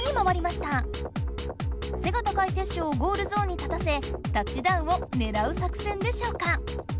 せが高いテッショウをゴールゾーンに立たせタッチダウンをねらう作戦でしょうか？